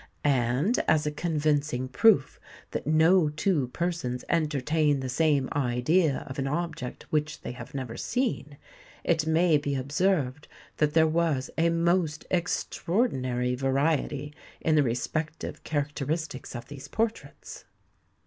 And, as a convincing proof that no two persons entertain the same idea of an object which they have never seen, it may be observed that there was a most extraordinary variety in the respective characteristics of these portraits.